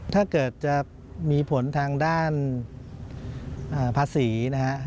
ถ้าเกิดจะมีผลทางด้านภาษีนะฮะ